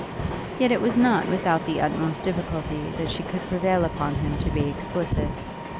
Yet it was not without the utmost difficulty that she could prevail upon him to be explicit.